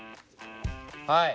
はい。